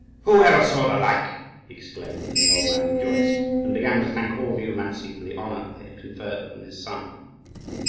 "Who ever saw the like!" he exclaimed; and the old man rejoiced, and began to thank all the Oumantzi for the honour they had conferred upon his son.